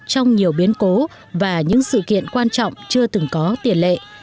trong nhiều biến cố và những sự kiện quan trọng chưa từng có tiền lệ